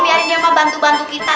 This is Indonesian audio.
biarin ya pak bantu bantu kita